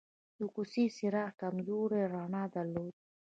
د کوڅې څراغ کمزورې رڼا درلوده.